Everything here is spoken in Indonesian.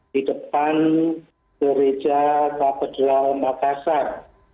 di depan gereja katedral makassar